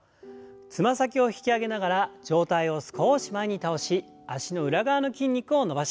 つま先を引き上げながら上体を少し前に倒し脚の裏側の筋肉を伸ばします。